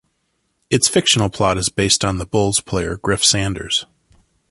Its fictional plot is based on the bowls player Griff Sanders.